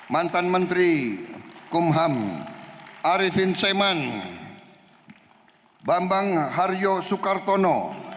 mantan menteri kumham arifin seman bambang haryo soekartono